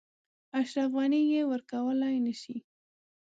اشرف غني یې ورکولای نه شي.